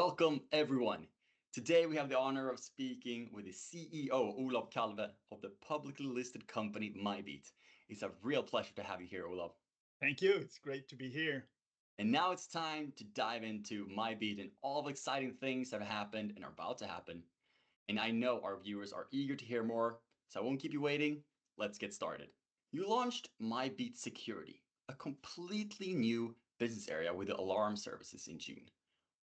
Welcome, everyone. Today we have the honor of speaking with the CEO, Olav Kalve, of the publicly listed company MyBeat. It's a real pleasure to have you here, Olav. Thank you. It's great to be here. Now it's time to dive into MyBeat and all the exciting things that have happened and are about to happen. I know our viewers are eager to hear more, so I won't keep you waiting. Let's get started. You launched MyBeat Security, a completely new business area with the alarm services in June.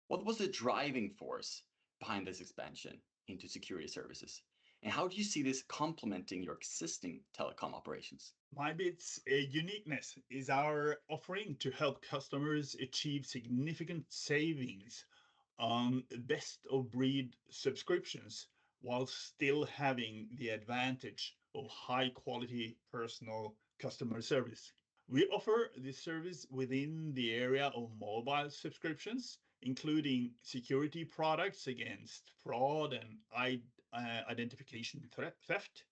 What was the driving force behind this expansion into security services? How do you see this complementing your existing telecom operations? MyBeat's uniqueness is our offering to help customers achieve significant savings on best-of-breed subscriptions while still having the advantage of high-quality personal customer service. We offer this service within the area of mobile subscriptions, including security products against fraud and identification theft,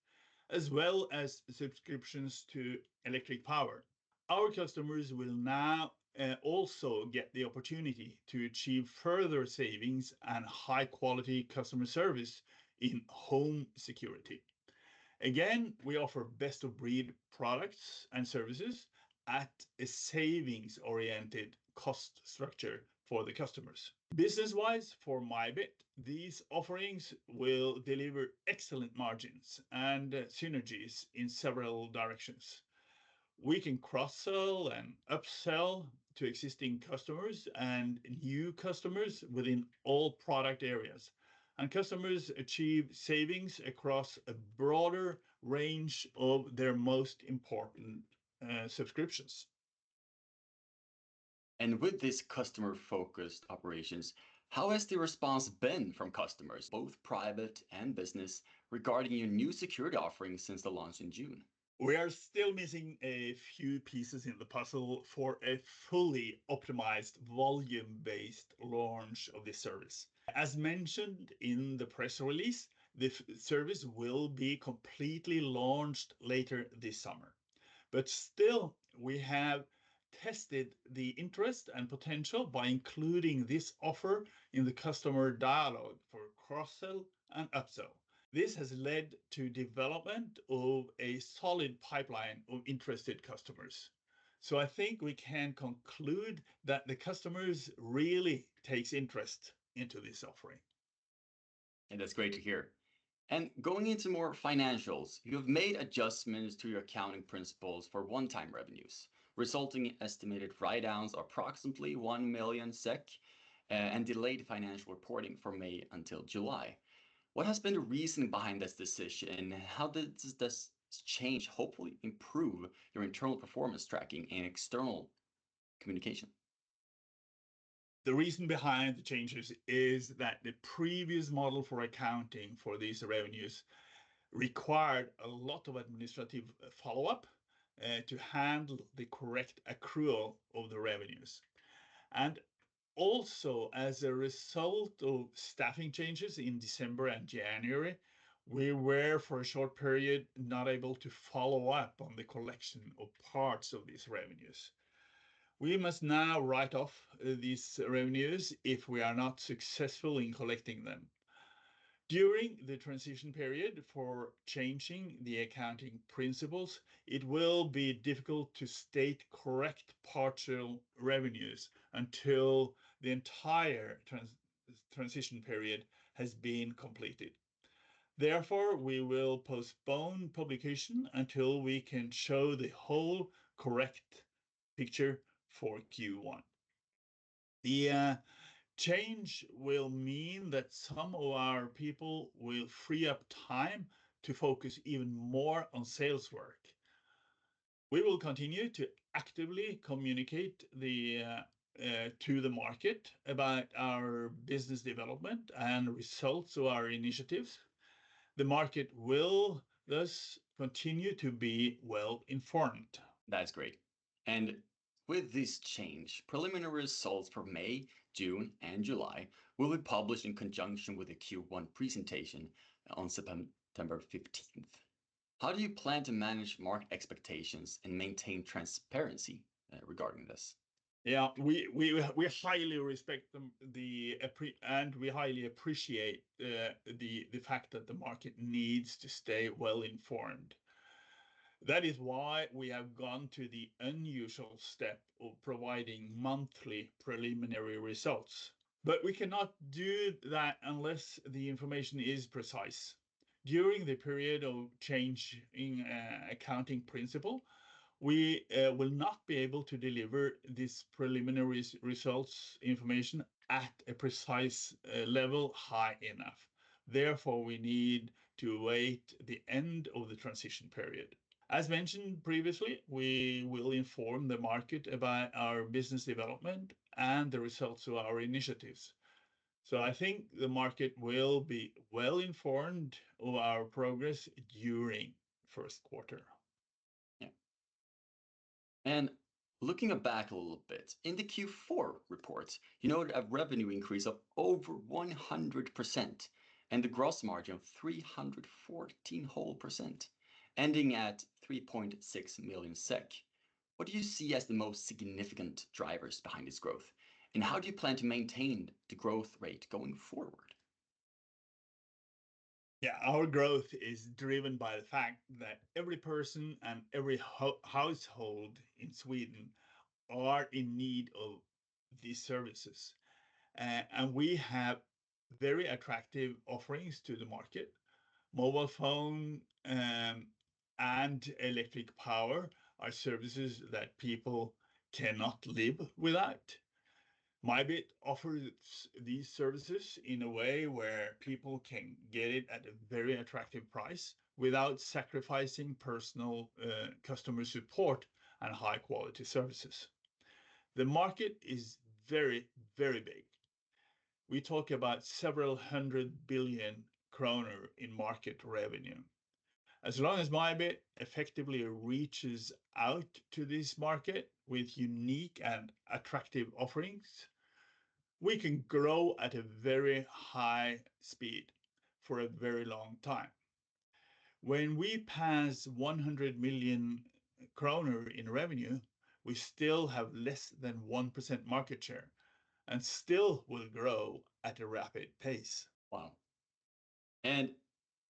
as well as subscriptions to electric power. Our customers will now also get the opportunity to achieve further savings and high-quality customer service in home security. Again, we offer best-of-breed products and services at a savings-oriented cost structure for the customers. Business-wise, for MyBeat, these offerings will deliver excellent margins and synergies in several directions. We can cross-sell and upsell to existing customers and new customers within all product areas, and customers achieve savings across a broader range of their most important subscriptions. With these customer-focused operations, how has the response been from customers, both private and business, regarding your new security offering since the launch in June? We are still missing a few pieces in the puzzle for a fully optimized volume-based launch of the service. As mentioned in the press release, the service will be completely launched later this summer. We have tested the interest and potential by including this offer in the customer dialogue for cross-sell and upsell. This has led to the development of a solid pipeline of interested customers. I think we can conclude that the customers really take interest in this offering. That's great to hear. Going into more financials, you have made adjustments to your accounting principles for one-time revenues, resulting in estimated write-downs of approximately 1 million SEK and delayed financial reporting from May until July. What has been the reason behind this decision? How does this change hopefully improve your internal performance tracking and external communication? The reason behind the changes is that the previous model for accounting for these revenues required a lot of administrative follow-up to handle the correct accrual of the revenues. Also, as a result of staffing changes in December and January, we were, for a short period, not able to follow up on the collection of parts of these revenues. We must now write off these revenues if we are not successful in collecting them. During the transition period for changing the accounting principles, it will be difficult to state correct partial revenues until the entire transition period has been completed. Therefore, we will postpone publication until we can show the whole correct picture for Q1. The change will mean that some of our people will free up time to focus even more on sales work. We will continue to actively communicate to the market about our business development and the results of our initiatives. The market will thus continue to be well-informed. That's great. With this change, preliminary results for May, June, and July will be published in conjunction with the Q1 presentation on September 15th. How do you plan to manage market expectations and maintain transparency regarding this? We highly respect and highly appreciate the fact that the market needs to stay well-informed. That is why we have gone to the unusual step of providing monthly preliminary results. We cannot do that unless the information is precise. During the period of changing accounting principles, we will not be able to deliver this preliminary results information at a precise level high enough. Therefore, we need to wait for the end of the transition period. As mentioned previously, we will inform the market about our business development and the results of our initiatives. I think the market will be well-informed of our progress during the first quarter. Looking back a little bit, in the Q4 reports, you noted a revenue increase of over 100% and a gross margin of 314%, ending at 3.6 million SEK. What do you see as the most significant drivers behind this growth? How do you plan to maintain the growth rate going forward? Our growth is driven by the fact that every person and every household in Sweden is in need of these services. We have very attractive offerings to the market. Mobile phone and electric power are services that people cannot live without. MyBeat offers these services in a way where people can get it at a very attractive price without sacrificing personal customer support and high-quality services. The market is very, very big. We talk about several hundred billion krona in market revenue. As long as MyBeat effectively reaches out to this market with unique and attractive offerings, we can grow at a very high speed for a very long time. When we pass 100 million kronor in revenue, we still have less than 1% market share and still will grow at a rapid pace. Wow.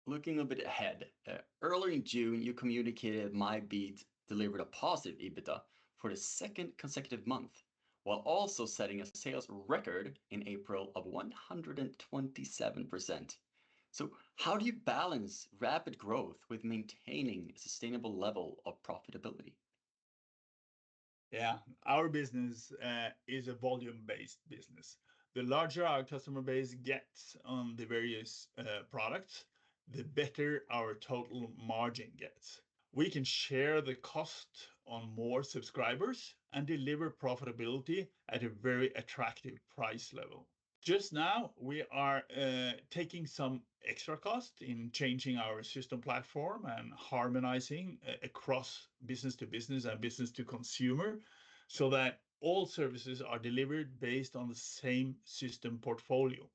Looking a bit ahead, early in June, you communicated MyBeat delivered a positive EBITDA for the second consecutive month, while also setting a sales record in April of 127%. How do you balance rapid growth with maintaining a sustainable level of profitability? Yeah, our business is a volume-based business. The larger our customer base gets on the various products, the better our total margin gets. We can share the cost on more subscribers and deliver profitability at a very attractive price level. Just now, we are taking some extra cost in changing our system platform and harmonizing across B2B and business to consumer so that all services are delivered based on the same system portfolio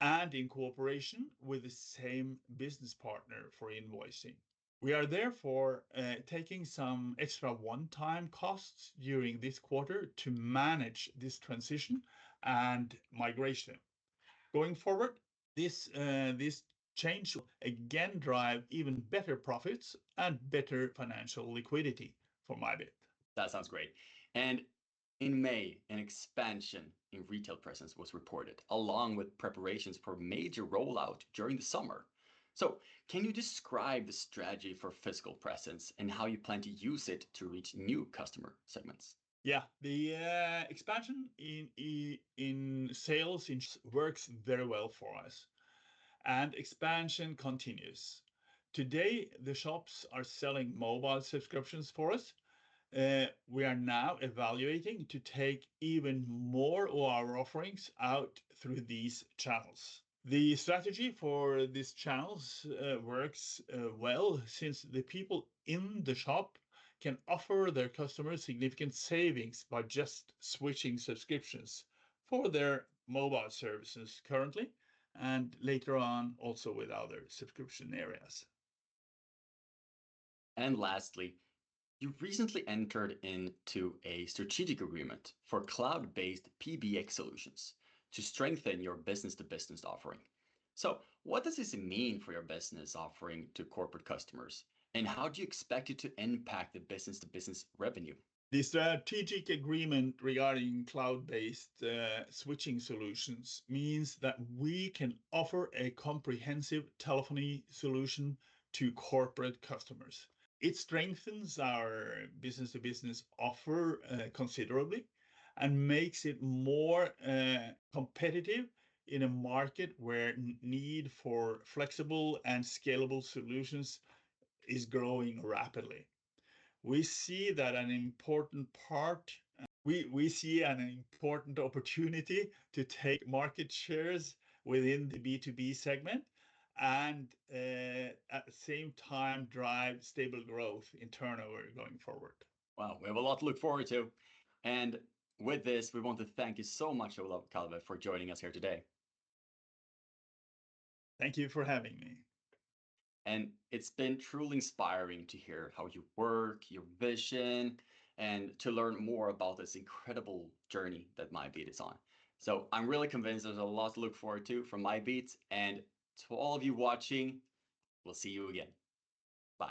and in cooperation with the same business partner for invoicing. We are therefore taking some extra one-time costs during this quarter to manage this transition and migration. Going forward, this change will again drive even better profits and better financial liquidity for MyBeat. That sounds great. In May, an expansion in retail presence was reported, along with preparations for a major rollout during the summer. Can you describe the strategy for physical presence and how you plan to use it to reach new customer segments? The expansion in sales works very well for us. Expansion continues. Today, the shops are selling mobile subscriptions for us. We are now evaluating to take even more of our offerings out through these channels. The strategy for these channels works well since the people in the shop can offer their customers significant savings by just switching subscriptions for their mobile services currently and later on also with other subscription areas. You recently entered into a strategic agreement for cloud-based PBX solutions to strengthen your business-to-business offering. What does this mean for your business offering to corporate customers, and how do you expect it to impact the business-to-business revenue? The strategic agreement regarding cloud-based PBX solutions means that we can offer a comprehensive telephony solution to corporate customers. It strengthens our B2B offer considerably and makes it more competitive in a market where the need for flexible and scalable solutions is growing rapidly. We see an important opportunity to take market shares within the B2B segment and at the same time drive stable growth in turnover going forward. We have a lot to look forward to. With this, we want to thank you so much, Olav Kalve, for joining us here today. Thank you for having me. It has been truly inspiring to hear how you work, your vision, and to learn more about this incredible journey that My Beat is on. I am really convinced there's a lot to look forward to from My Beat. To all of you watching, we'll see you again. Bye.